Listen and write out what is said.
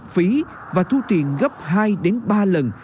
phí và thu tiền gấp hai ba lần